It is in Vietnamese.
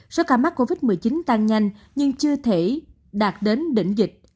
số ca mắc covid một mươi chín tăng nhanh nhưng chưa thể đạt đến đỉnh dịch